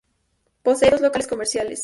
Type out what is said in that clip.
Posee dos locales comerciales.